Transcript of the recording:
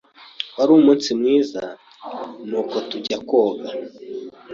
Wari umunsi mwiza, nuko tujya koga.